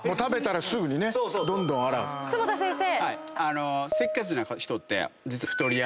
坪田先生。